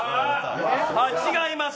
違います。